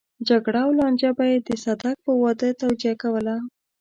جګړه او لانجه به يې د صدک په واده توجيه کوله.